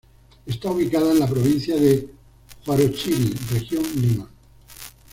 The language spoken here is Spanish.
Esta ubicada en la provincia de Huarochirí, región Lima.